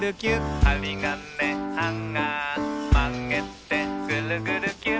「はりがねハンガーまげてぐるぐるキュッ」